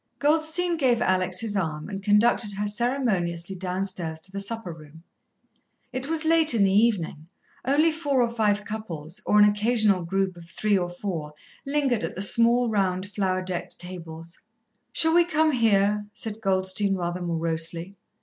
Goldstein gave Alex his arm and conducted her ceremoniously downstairs to the supper room. It was late in the evening, only four or five couples, or an occasional group of three or four, lingered at the small, round, flower decked tables. "Shall we come here?" said Goldstein rather morosely.